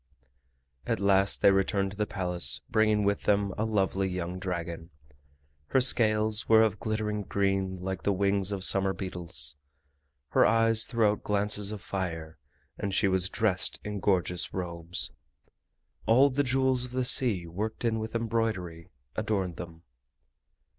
At last they returned to the Palace bringing with them a lovely young dragon. Her scales were of glittering green like the wings of summer beetles, her eyes threw out glances of fire, and she was dressed in gorgeous robes. All the jewels of the sea worked in with embroidery adorned them.